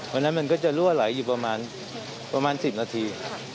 มันก็จะรั่วไหลอยู่ประมาณ๑๐นาที